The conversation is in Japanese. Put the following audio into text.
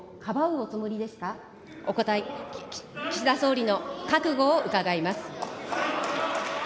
お答え、岸田総理の覚悟を伺います。